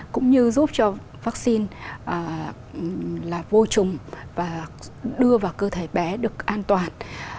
cũng như giúp cho vắc xin là vô trùng và đưa vào cơ thể bé được an toàn